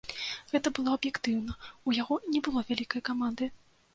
Гэта было аб'ектыўна, у яго не было вялікай каманды.